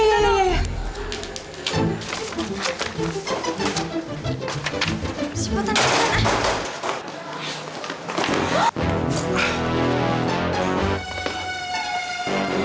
sipetan sipetan ah